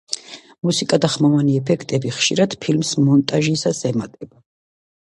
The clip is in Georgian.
მუსიკა და ხმოვანი ეფექტები ხშირად ფილმს მონტაჟისას ემატება.